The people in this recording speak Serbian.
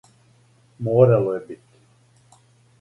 Морало је бити.